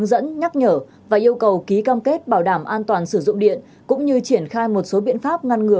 để triển khai một số biện pháp ngăn ngừa